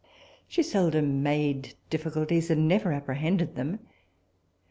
She seldom made difficulties, and never apprehended them.